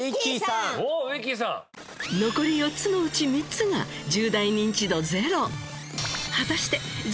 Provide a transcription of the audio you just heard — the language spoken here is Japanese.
残り４つのうち３つが１０代ニンチドゼロ。